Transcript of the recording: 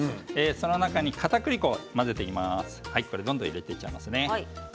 その中にかたくり粉を混ぜていきます。